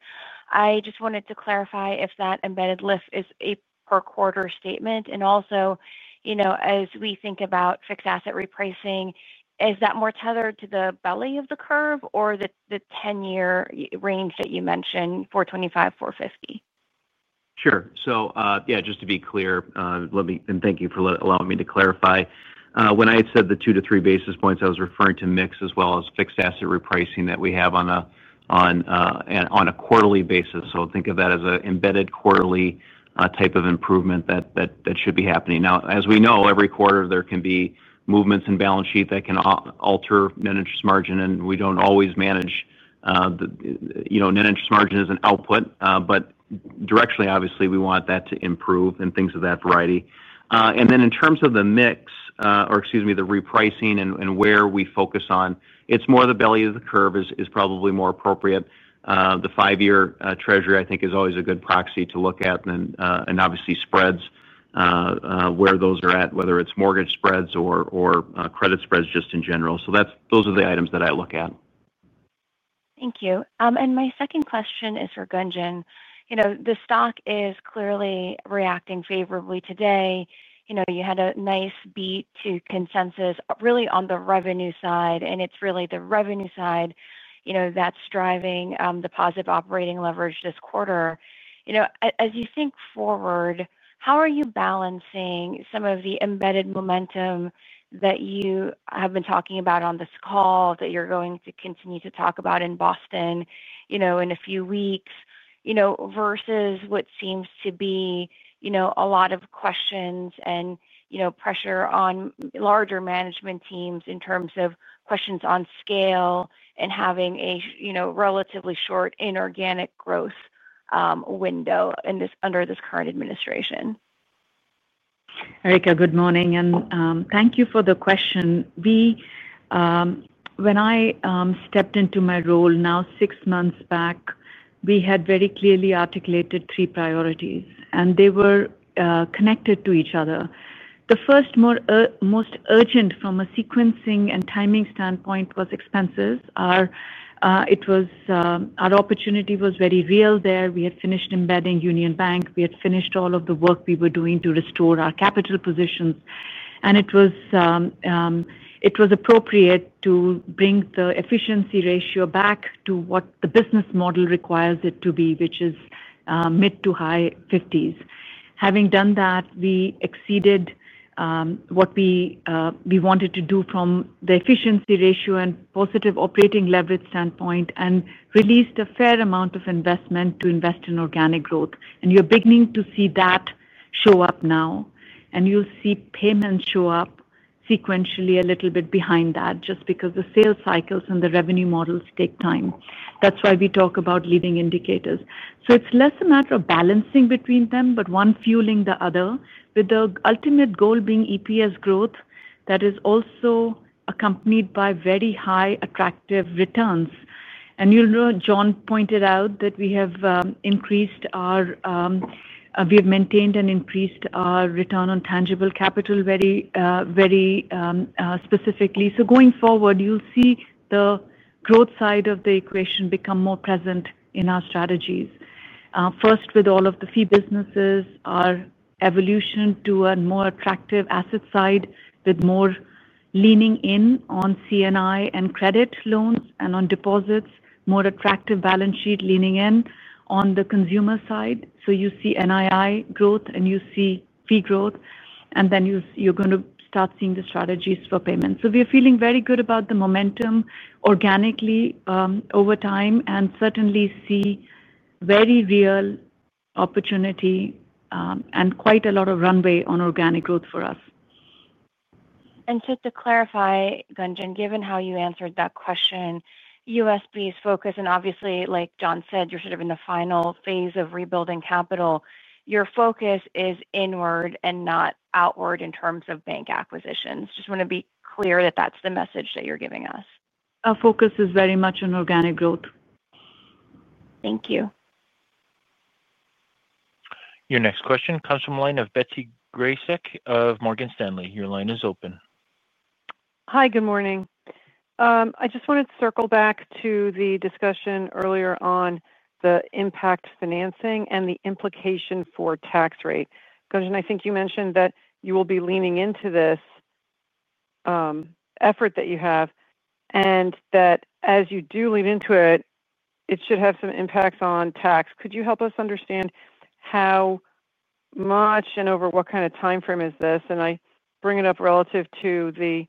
I just wanted to clarify if that embedded lift is a per-quarter statement. Also, as we think about fixed asset repricing, is that more tethered to the belly of the curve or the 10-year range that you mentioned, 4.25%-4.50%? Sure. Just to be clear, let me, and thank you for allowing me to clarify. When I said the 2 basis points-3 basis points, I was referring to mix as well as fixed asset repricing that we have on a quarterly basis. Think of that as an embedded quarterly type of improvement that should be happening. As we know, every quarter there can be movements in balance sheet that can alter net interest margin, and we don't always manage the net interest margin as an output. Directionally, obviously, we want that to improve and things of that variety. In terms of the mix, or excuse me, the repricing and where we focus on, it's more the belly of the curve is probably more appropriate. The five-year treasury, I think, is always a good proxy to look at, and obviously spreads where those are at, whether it's mortgage spreads or credit spreads just in general. Those are the items that I look at. Thank you. My second question is for Gunjan. The stock is clearly reacting favorably today. You had a nice beat to consensus really on the revenue side, and it's really the revenue side that's driving the positive operating leverage this quarter. As you think forward, how are you balancing some of the embedded momentum that you have been talking about on this call that you're going to continue to talk about in Boston in a few weeks versus what seems to be a lot of questions and pressure on larger management teams in terms of questions on scale and having a relatively short inorganic growth window under this current administration? Erica, good morning. Thank you for the question. When I stepped into my role now six months back, we had very clearly articulated three priorities, and they were connected to each other. The first, most urgent from a sequencing and timing standpoint, was expenses. Our opportunity was very real there. We had finished embedding Union Bank. We had finished all of the work we were doing to restore our capital positions. It was appropriate to bring the efficiency ratio back to what the business model requires it to be, which is mid to high 50s. Having done that, we exceeded what we wanted to do from the efficiency ratio and positive operating leverage standpoint and released a fair amount of investment to invest in organic growth. You're beginning to see that show up now. You'll see payments show up sequentially a little bit behind that just because the sales cycles and the revenue models take time. That's why we talk about leading indicators. It is less a matter of balancing between them, but one fueling the other, with the ultimate goal being EPS growth that is also accompanied by very high attractive returns. You know John pointed out that we have increased our return on tangible capital very specifically. Going forward, you'll see the growth side of the equation become more present in our strategies. First, with all of the fee businesses, our evolution to a more attractive asset side with more leaning in on C&I and credit loans and on deposits, more attractive balance sheet leaning in on the consumer side. You see NII growth and you see fee growth. You're going to start seeing the strategies for payments. We are feeling very good about the momentum organically over time and certainly see very real opportunity and quite a lot of runway on organic growth for us. Just to clarify, Gunjan, given how you answered that question, U.S. B's focus, and obviously, like John said, you're sort of in the final phase of rebuilding capital, your focus is inward and not outward in terms of bank acquisitions. I just want to be clear that that's the message that you're giving us. Our focus is very much on organic growth. Thank you. Your next question comes from the line of Betsy Graseck of Morgan Stanley. Your line is open. Hi, good morning. I just wanted to circle back to the discussion earlier on the Impact Finance and the implication for tax rate. Gunjan, I think you mentioned that you will be leaning into this effort that you have and that as you do lean into it, it should have some impacts on tax. Could you help us understand how much and over what kind of timeframe is this? I bring it up relative to the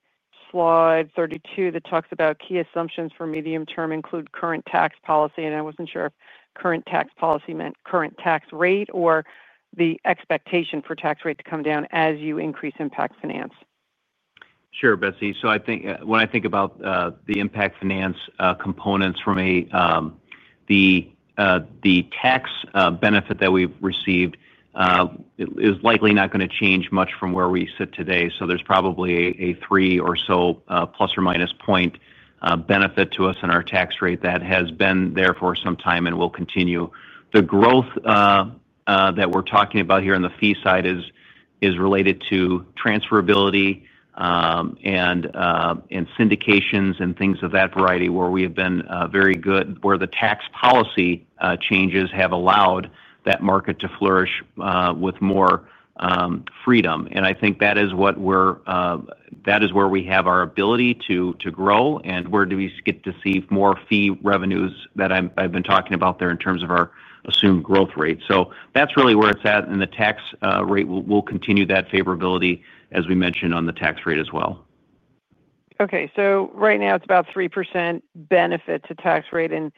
slide 32 that talks about key assumptions for medium term include current tax policy. I wasn't sure if current tax policy meant current tax rate or the expectation for tax rate to come down as you increase Impact Finance. Sure, Betsy. I think when I think about the Impact Finance components for me, the tax benefit that we've received is likely not going to change much from where we sit today. There's probably a 3 or so plus or minus point benefit to us in our tax rate that has been there for some time and will continue. The growth that we're talking about here on the fee side is related to transferability and syndications and things of that variety where we have been very good, where the tax policy changes have allowed that market to flourish with more freedom. I think that is where we have our ability to grow and where we get to see more fee revenues that I've been talking about there in terms of our assumed growth rate. That's really where it's at. The tax rate will continue that favorability, as we mentioned, on the tax rate as well. Okay. Right now, it's about 3% benefit to tax rate, and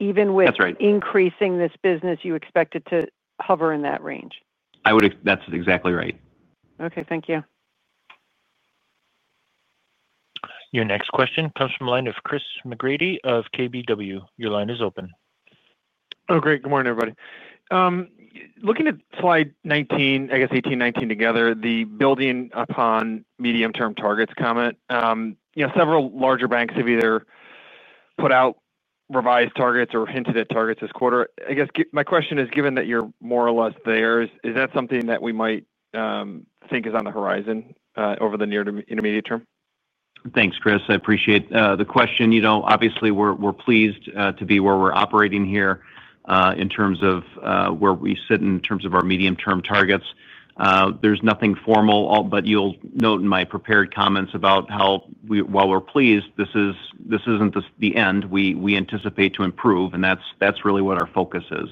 even with increasing this business, you expect it to hover in that range. That's exactly right. Okay, thank you. Your next question comes from the line of Christopher McGratty of KBW. Your line is open. Oh, great. Good morning, everybody. Looking at slide 19, I guess 18, 19 together, the building upon medium-term targets comment, you know several larger banks have either put out revised targets or hinted at targets this quarter. I guess my question is, given that you're more or less there, is that something that we might think is on the horizon over the near to intermediate term? Thanks, Chris. I appreciate the question. Obviously, we're pleased to be where we're operating here in terms of where we sit in terms of our medium-term targets. There's nothing formal, but you'll note in my prepared comments about how, while we're pleased, this isn't the end. We anticipate to improve, and that's really what our focus is.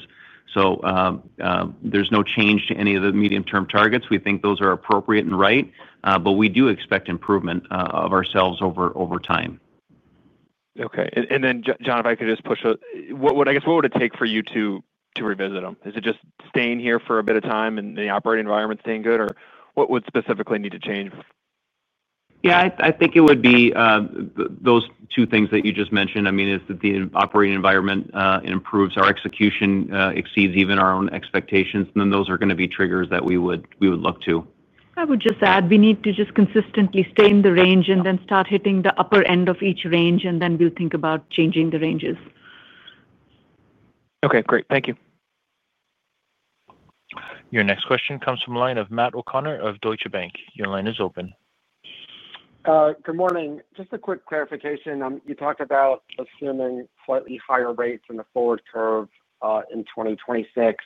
There's no change to any of the medium-term targets. We think those are appropriate and right, but we do expect improvement of ourselves over time. Okay. John, if I could just push, I guess, what would it take for you to revisit them? Is it just staying here for a bit of time and the operating environment staying good, or what would specifically need to change? Yeah, I think it would be those two things that you just mentioned. I mean, as the operating environment improves, our execution exceeds even our own expectations, and those are going to be triggers that we would look to. I would just add we need to just consistently stay in the range, and then start hitting the upper end of each range, and then we'll think about changing the ranges. Okay, great. Thank you. Your next question comes from the line of Matt O'Connor of Deutsche Bank. Your line is open. Good morning. Just a quick clarification. You talked about assuming slightly higher rates in the forward curve in 2026.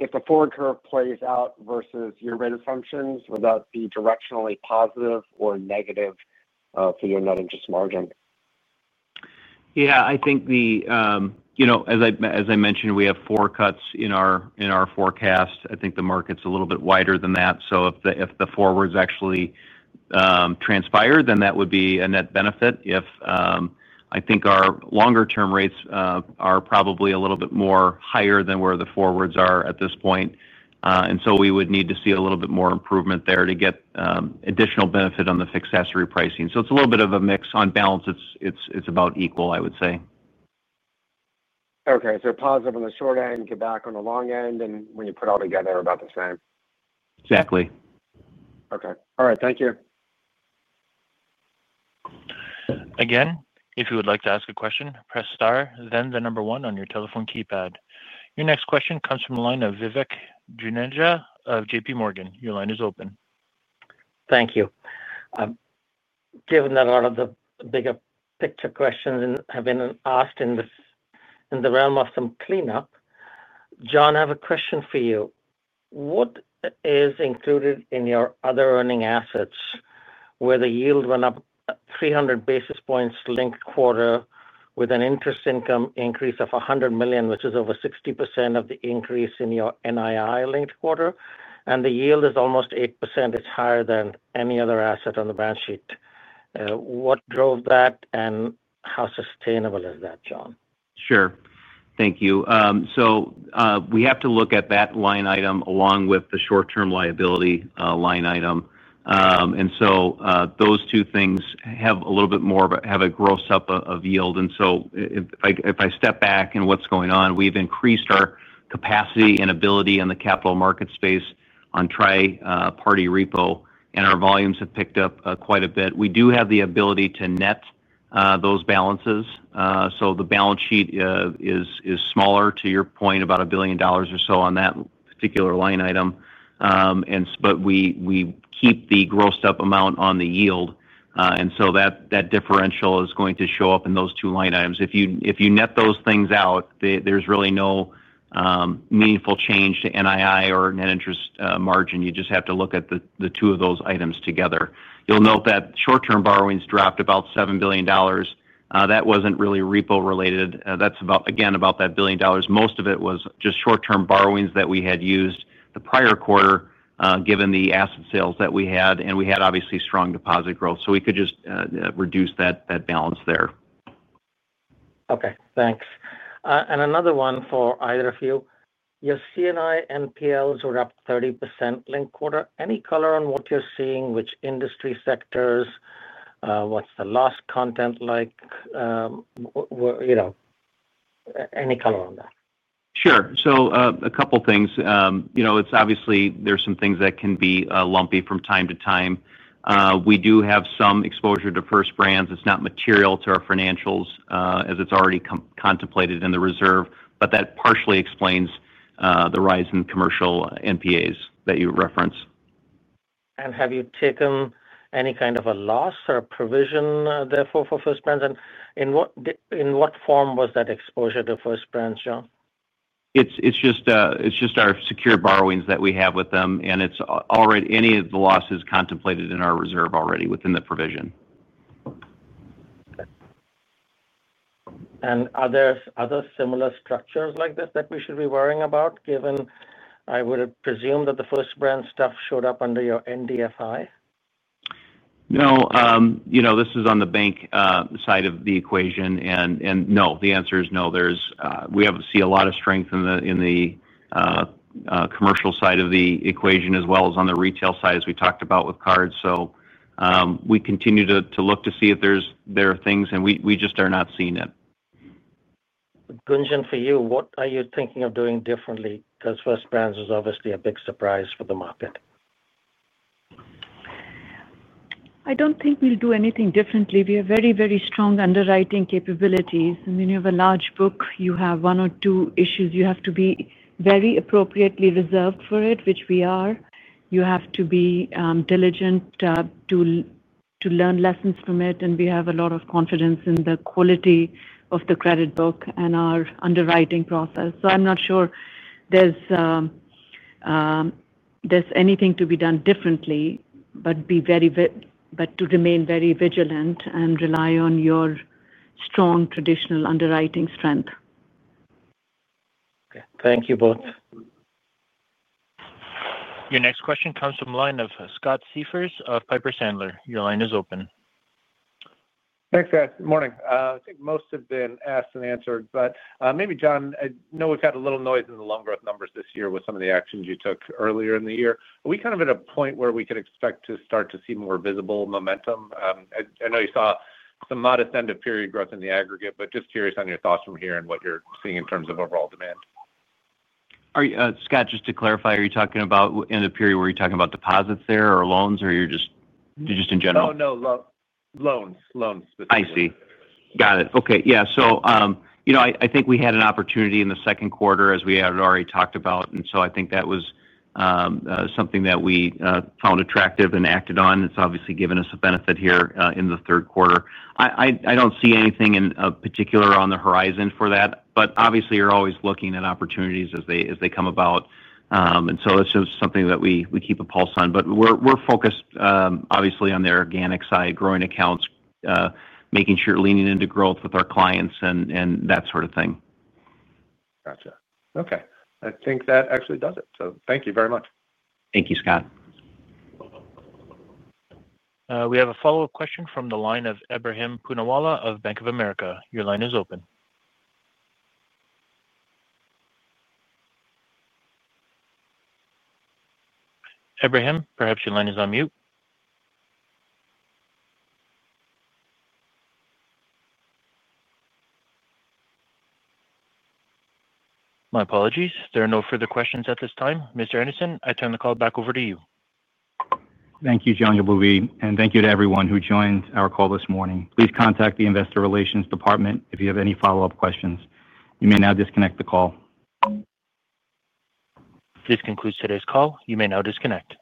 If the forward curve plays out versus your rate assumptions, would that be directionally positive or negative for your net interest margin? I think, as I mentioned, we have four cuts in our forecast. I think the market's a little bit wider than that. If the forwards actually transpired, then that would be a net benefit. I think our longer-term rates are probably a little bit more higher than where the forwards are at this point, and we would need to see a little bit more improvement there to get additional benefit on the fixed asset repricing. It's a little bit of a mix. On balance, it's about equal, I would say. Okay. Positive on the short end, get back on the long end, and when you put it all together, about the same? Exactly. Okay. All right. Thank you. Again, if you would like to ask a question, press star, then the number one on your telephone keypad. Your next question comes from the line of Vivek Juneja of JPMorgan. Your line is open. Thank you. Given that a lot of the bigger picture questions have been asked in the realm of some cleanup, John, I have a question for you. What is included in your other earning assets where the yield went up 300 basis points linked quarter with an interest income increase of $100 million, which is over 60% of the increase in your NII linked quarter, and the yield is almost 8%? It's higher than any other asset on the balance sheet. What drove that and how sustainable is that, John? Sure. Thank you. We have to look at that line item along with the short-term liability line item. Those two things have a little bit more of a gross up of yield. If I step back in what's going on, we've increased our capacity and ability in the capital market space on tri-party repo, and our volumes have picked up quite a bit. We do have the ability to net those balances, so the balance sheet is smaller, to your point, about $1 billion or so on that particular line item. We keep the grossed-up amount on the yield, and that differential is going to show up in those two line items. If you net those things out, there's really no meaningful change to NII or net interest margin. You just have to look at the two of those items together. You'll note that short-term borrowings dropped about $7 billion. That wasn't really repo related. That's about, again, about that $1 billion. Most of it was just short-term borrowings that we had used the prior quarter, given the asset sales that we had. We had obviously strong deposit growth, so we could just reduce that balance there. Okay. Thanks. Another one for either of you. Your commercial C&I non-performing assets were up 30% linked quarter. Any color on what you're seeing, which industry sectors, what's the loss content like? Any color on that? Sure. A couple of things. You know, obviously there's some things that can be lumpy from time to time. We do have some exposure to First Brands. It's not material to our financials, as it's already contemplated in the reserve. That partially explains the rise in commercial non-performing assets that you referenced. Have you taken any kind of a loss or a provision therefore for First Brands? In what form was that exposure to First Brands, John? It's just our secured borrowings that we have with them. It's already any of the losses contemplated in our reserve already within the provision. Are there other similar structures like this that we should be worrying about, given I would presume that the first brand stuff showed up under your NDFI? No, this is on the bank side of the equation. No, the answer is no. We see a lot of strength in the commercial side of the equation as well as on the retail side, as we talked about with cards. We continue to look to see if there are things, and we just are not seeing it. Gunjan, for you, what are you thinking of doing differently? Because First Brands is obviously a big surprise for the market. I don't think we'll do anything differently. We have very, very strong underwriting capabilities. When you have a large book, you have one or two issues. You have to be very appropriately reserved for it, which we are. You have to be diligent to learn lessons from it. We have a lot of confidence in the quality of the credit book and our underwriting process. I'm not sure there's anything to be done differently, but to remain very vigilant and rely on your strong traditional underwriting strength. Okay, thank you both. Your next question comes from the line of Scott Seifers of Piper Sandler. Your line is open. Thanks, guys. Morning. I think most have been asked and answered. Maybe, John, I know we've had a little noise in the loan growth numbers this year with some of the actions you took earlier in the year. Are we at a point where we could expect to start to see more visible momentum? I know you saw some modest end-of-period growth in the aggregate, just curious on your thoughts from here and what you're seeing in terms of overall demand. Scott, just to clarify, are you talking about end-of-period, where you're talking about deposits there or loans, or you're just in general? Oh, no, loans. Loans specifically. I see. Got it. Okay. I think we had an opportunity in the second quarter, as we had already talked about. I think that was something that we found attractive and acted on. It's obviously given us a benefit here in the third quarter. I don't see anything in particular on the horizon for that. Obviously, you're always looking at opportunities as they come about. It's just something that we keep a pulse on. We're focused, obviously, on the organic side, growing accounts, making sure leaning into growth with our clients, and that sort of thing. Gotcha. Okay, I think that actually does it. Thank you very much. Thank you, Scott. We have a follow-up question from the line of Ebrahim Poonawala of Bank of America. Your line is open. Ebrahim, perhaps your line is on mute. My apologies. There are no further questions at this time. Mr. Andersen, I turn the call back over to you. Thank you, John Ghebovy. Thank you to everyone who joined our call this morning. Please contact the investor relations department if you have any follow-up questions. You may now disconnect the call. This concludes today's call. You may now disconnect.